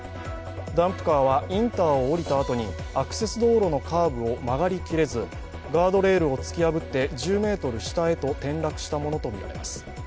ダンプカーはインターを降りたあとにアクセス道路のカーブを曲がりきれず、ガードレールを突き破って１０ｍ下へと転落したものとみられます。